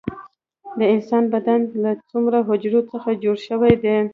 د انسان بدن له څومره حجرو څخه جوړ شوی دی